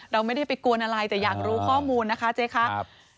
เราไม่ได้ไปกวนอะไรแต่อยากรู้ข้อมูลนะคะเจ๊คะ